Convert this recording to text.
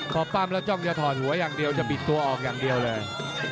พอปั้มแล้วจ้องจะถอดหัวอย่างเดียวจะบิดตัวออกอย่างเดียวเลย